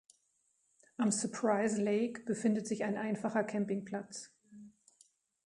Am Surprise Lake befindet sich ein einfacher Campingplatz.